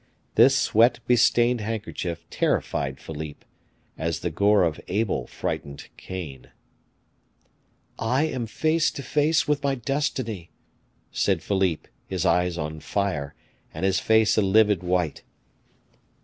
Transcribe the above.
This sweat bestained handkerchief terrified Philippe, as the gore of Abel frightened Cain. "I am face to face with my destiny," said Philippe, his eyes on fire, and his face a livid white.